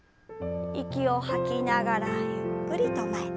息を吐きながらゆっくりと前。